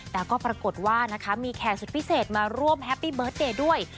แต่ก็ปรากฏว่านะคะมีแขกสุดพิเศษมาร่วมแฮปปี้เบิร์ตเดย์ด้วย